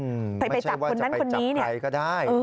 ไม่ใช่ว่าจะไปจับใครก็ได้